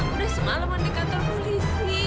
udah semalam mandi kantor polisi